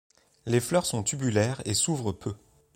Les fleurs sont tubulaires et s'ouvrent peu.